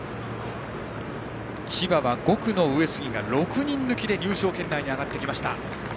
千葉は５区の上杉が６人抜きで入賞圏内に上がってきました。